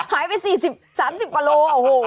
หายไป๓๐กับโล